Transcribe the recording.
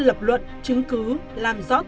lập luận chứng cứ làm rõ